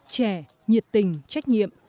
trẻ nhiệt tình trách nhiệm